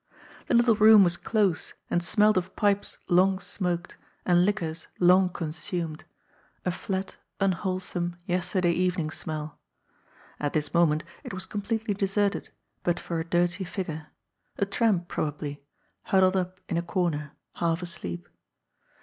The little room was close and smelt of pipes long smoked 262 GOD'S FOOL. and liquors long consumed— a flat, unwholesome, yesterday eyening smell. At this moment it was completely deserted, but for a dirty figure — a tramp, probably — ^huddled up in a comer, half asleep.